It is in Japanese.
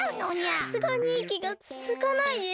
さすがにいきがつづかないです。